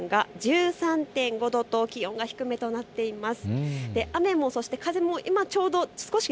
６時半現在の都心の気温が１３．５度と気温が低めとなっています。